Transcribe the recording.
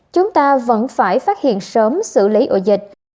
chúng ta vẫn phải phát hiện sớm xử lý ổ dịch